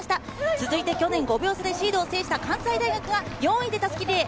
続いて去年、５秒差でシードを制した関西大学が４位で襷リレー。